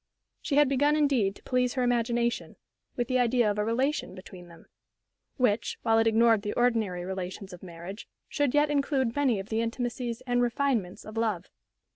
She had begun, indeed, to please her imagination with the idea of a relation between them, which, while it ignored the ordinary relations of marriage, should yet include many of the intimacies and refinements of love.